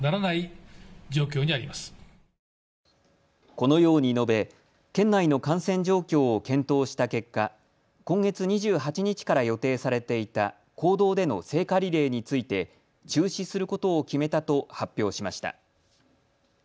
このように述べ県内の感染状況を検討した結果、今月２８日から予定されていた公道での聖火リレーについて中止することを決めたと発表しました。